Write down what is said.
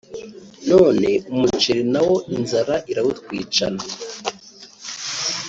none umuceri nawo inzara irawutwicana